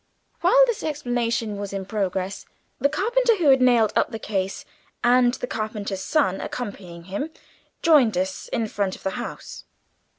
While this explanation was in progress, the carpenter who had nailed up the case, and the carpenter's son, accompanying him, joined us in front of the house.